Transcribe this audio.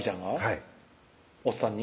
はいおっさんに？